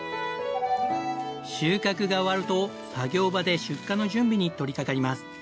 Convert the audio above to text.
収穫が終わると作業場で出荷の準備に取りかかります。